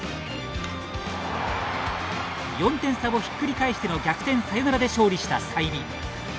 ４点差をひっくり返しての逆転サヨナラで勝利した済美。